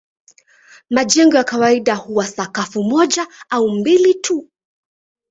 Majengo ya kawaida huwa sakafu moja au mbili tu.